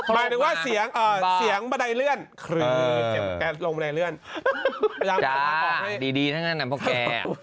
คือฮร์ลงบันไดเลือกทางนั้นอ่า